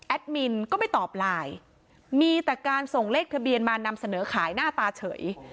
มินก็ไม่ตอบไลน์มีแต่การส่งเลขทะเบียนมานำเสนอขายหน้าตาเฉย